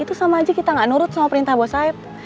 itu sama aja kita nggak nurut sama perintah bos saeb